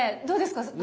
どうですか？